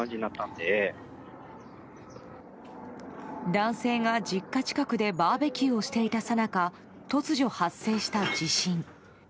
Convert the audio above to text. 男性が、実家近くでバーベキューをしていたさなか突如発生した地震。